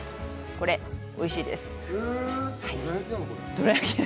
これ、おいしいんです。